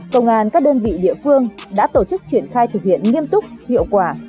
công an các đơn vị địa phương đã tổ chức triển khai thực hiện nghiêm túc hiệu quả